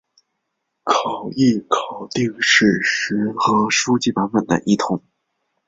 考异考订史实或书籍版本的异同。